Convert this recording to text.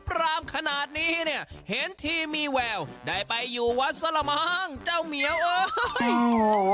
ปรามขนาดนี้เนี่ยเห็นทีมีแววได้ไปอยู่วัดสละมั้งเจ้าเหมียวเอ้ยโอ้โห